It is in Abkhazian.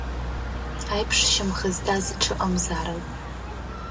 Аиԥш шьамхы зҵаз ҽы ыҟамзаарын.